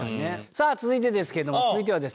さあ続いてですけれども続いてはですね